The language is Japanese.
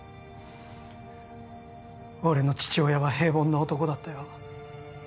俺の父親は平凡な男だったよ